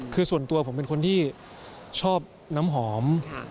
คือส่วนตัวผมเป็นคนที่ชอบน้ำหอม